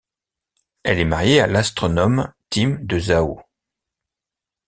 Elle est mariée à l'astronome Tim de Zeeuw.